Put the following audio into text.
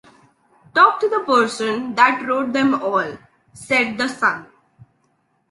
“Talk to the person that wrote them all,” said the sun.